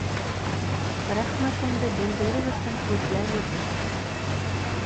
Рәхмәтемде белдерер өсөн һүҙҙәр етмәй.